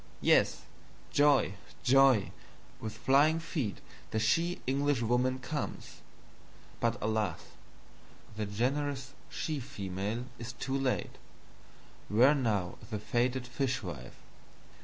Yes! Joy, joy, with flying Feet the she Englishwoman comes! But alas, the generous she Female is too late: where now is the fated Fishwife?